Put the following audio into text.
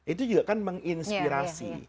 itu juga kan menginspirasi